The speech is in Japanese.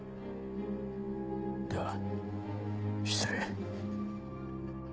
では失礼。